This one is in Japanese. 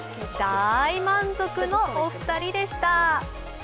大満足のお二人でした。